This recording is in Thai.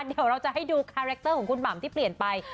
เดี๋ยวเราจะให้ดูคาแรคเตอร์ของคุณหม่ำที่เปลี่ยนไป